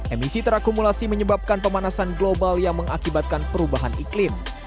emisi terakumulasi menyebabkan pemanasan global yang mengakibatkan perubahan iklim